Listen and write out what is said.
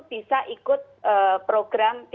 bisa ikut program dp